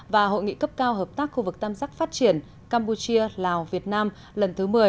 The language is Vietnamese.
và hội nghị cấp cao hợp tác khu vực tam giác phát triển campuchia lào việt nam lần thứ một mươi